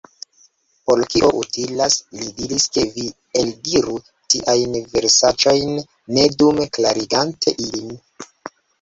"Por kio utilas," li diris, "ke vi eldiru tiajn versaĉojn, ne dume klarigante ilin?